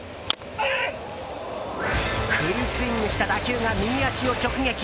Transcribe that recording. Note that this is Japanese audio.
フルスイングした打球が右足を直撃。